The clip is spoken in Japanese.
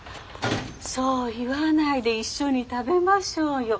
そう言わないで一緒に食べましょうよ。